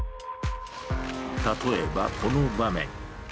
例えばこの場面。